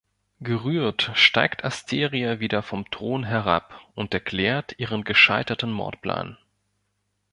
Gerührt steigt Asteria wieder vom Thron herab und erklärt ihren gescheiterten Mordplan.